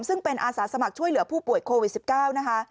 ซึ่งเป็นอาสาสมัครช่วยเหลือผู้ป่วยโควิด๑๙นะคะ